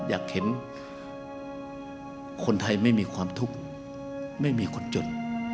อยากเห็นคนไทยไม่มีความทุกข์ไม่มีคนจน